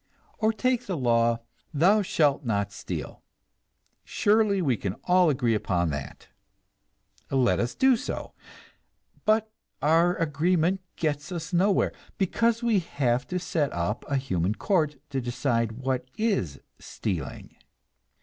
Or take the law, "Thou shalt not steal." Surely we can all agree upon that! Let us do so; but our agreement gets us nowhere, because we have to set up a human court to decide what is "stealing."